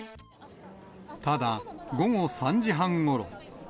ただ、午後３時半ごろ。